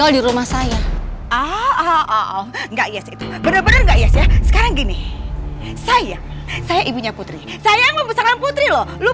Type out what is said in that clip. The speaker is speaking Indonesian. duh duh duh putri